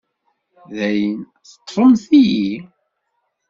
Dayen, teḍḍfemt-iyi.